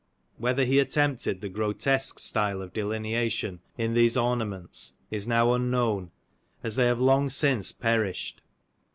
Whether he attempted the grotesque style of delineation in these ornaments is now unknown, as they have long since perished.